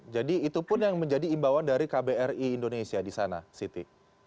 jadi itu pun yang menjadi imbauan dari kbri indonesia disana siti